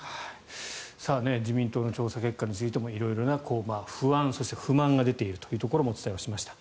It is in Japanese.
自民党の調査結果についても色々な不安、そして不満が出ているというところもお伝えしました。